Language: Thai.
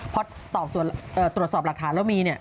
พอตอบส่วนตรวจสอบหลักฐานแล้วมี